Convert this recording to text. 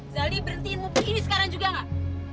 zal diberhentiinmu begini sekarang juga gak